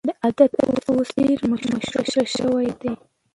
دا عادت اوس ډېر مشهور شوی دی.